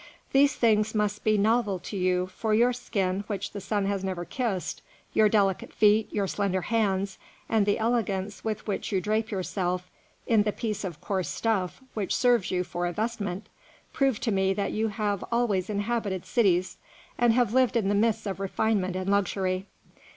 These things must be novel to you, for your skin, which the sun has never kissed, your delicate feet, your slender hands, and the elegance with which you drape yourself in the piece of coarse stuff which serves you for a vestment, prove to me that you have always inhabited cities, and have lived in the midst of refinement and luxury.